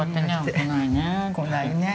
来ないね。